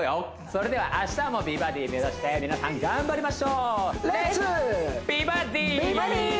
それでは明日も美バディ目指して皆さん頑張りましょう「レッツ！美バディ」